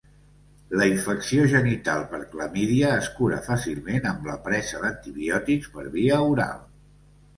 La infecció genital per clamídia es cura fàcilment amb la presa d'antibiòtics per via oral.